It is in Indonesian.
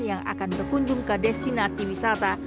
yang akan berkunjung ke destinasi wisata